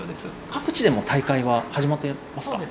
各地でも大会は始まってますか？